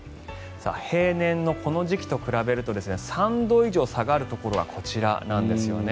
平年のこの時期と比べると３度以上差があるところがこちらなんですよね。